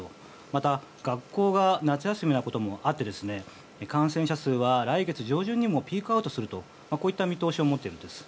また、学校が夏休みなこともあって感染者数は来月上旬にもピークアウトするとこういった見通しを持っているんです。